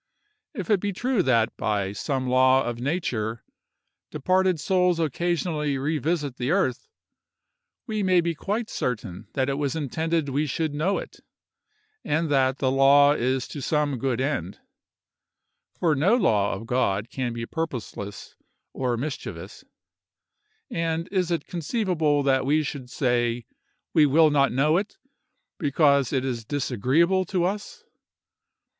If it be true that, by some law of nature, departed souls occasionally revisit the earth, we may be quite certain that it was intended we should know it, and that the law is to some good end; for no law of God can be purposeless or mischievous; and is it conceivable that we should say we will not know it, because it is disagreeable to us?